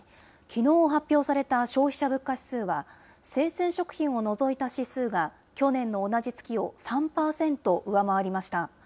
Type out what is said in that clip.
きのう発表された消費者物価指数は、生鮮食品を除いた指数が、去年の同じ月を３％上回りました。